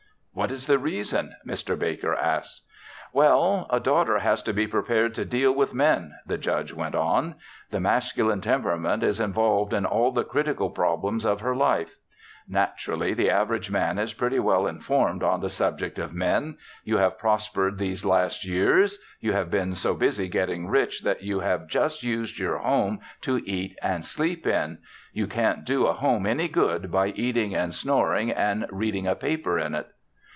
"What is the reason?" Mr. Baker asked. "Well, a daughter has to be prepared to deal with men," the Judge went on. "The masculine temperament is involved in all the critical problems of her life. Naturally the average man is pretty well informed on the subject of men. You have prospered these late years. You have been so busy getting rich that you have just used your home to eat and sleep in. You can't do a home any good by eating and snoring and reading a paper in it."